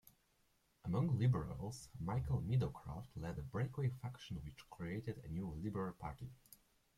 Among Liberals, Michael Meadowcroft led a breakaway faction which created a new Liberal Party.